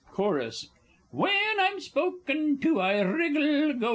Chorus When I'm spoken to, I wriggle, &c.